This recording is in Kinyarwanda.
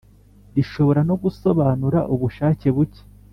. Rishobora no gusobanura ubushake buke.